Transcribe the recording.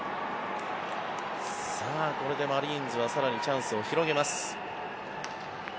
これでマリーンズは更にチャンスを広げます。